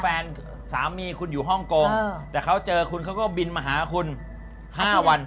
แฟนสามีคุณอยู่ฮ่องกงแต่เขาเจอคุณเขาก็บินมาหาคุณ๕วัน